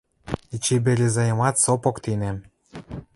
Эче Березайымат со поктенӓм.